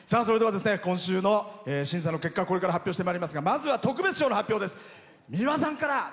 それでは今週の審査の結果これから発表してまいりますがまずは特別賞の発表です。